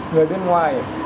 người bên ngoài